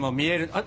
あっ！